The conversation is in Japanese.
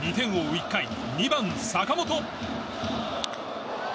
１回２番、坂本。